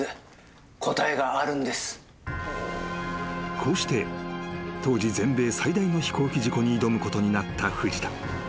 ［こうして当時全米最大の飛行機事故に挑むことになった藤田］